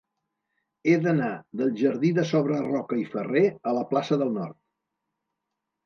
He d'anar del jardí de Sobreroca i Ferrer a la plaça del Nord.